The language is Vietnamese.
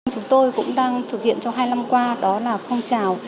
chúng tôi cũng đang thực hiện trong hai năm qua đó là phong trào